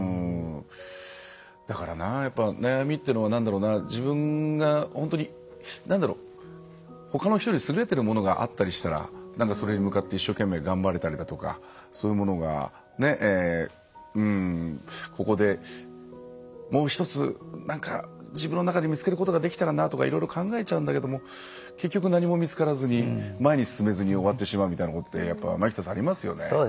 だから、やっぱ悩みっていうのは自分が本当にほかの人より優れているものがあったらなんか、それに向かって一生懸命、頑張れたりだとかそういうものがここで、もう一つ自分の中で見つけることができたらなっていろいろ考えちゃうんだけども結局、何も見つからずに前に進めずに終わってしまうことって前北さん、ありますよね。